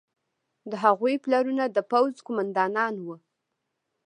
د هغوی پلرونه د پوځ قوماندانان وو.